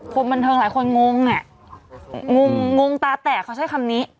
คนบันเทิงหลายคนงงอ่ะงงงตาแตกเขาใช้คำนี้